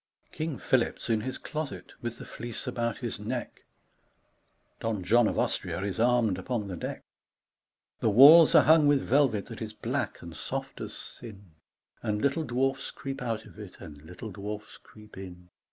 King Philip's in his closet with the Fleece about his neck, (Don John of Austria is armed upon the deck.) The walls are hung with velvet that is black and soft as sin, And little dwarfs creep out of it and little dwarfs creep in.